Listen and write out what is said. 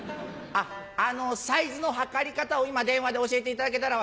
「サイズの測り方を今電話で教えていただけたら